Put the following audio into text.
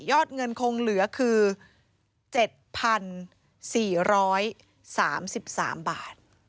อดเงินคงเหลือคือ๗๔๓๓บาท